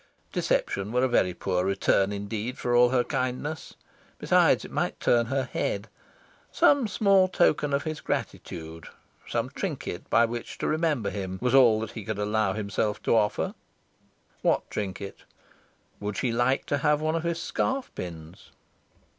Deception were a very poor return indeed for all her kindness. Besides, it might turn her head. Some small token of his gratitude some trinket by which to remember him was all that he could allow himself to offer... What trinket? Would she like to have one of his scarf pins?